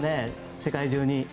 世界中に。